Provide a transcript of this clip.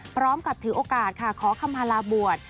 พร้อมกับถือโอกาสค่ะขอคำมาลาบวช